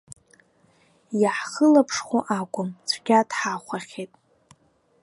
Иаҳхылаԥшхәу акәым, цәгьа дҳахәахьеит.